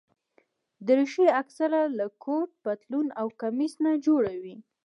دریشي اکثره له کوټ، پتلون او کمیس نه جوړه وي.